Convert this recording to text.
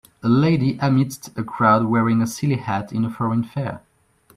A lady amidst a crowd wearing a silly hat in a foreign fair